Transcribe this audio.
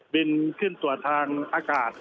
บินขึ้นตรวจทางอากาศ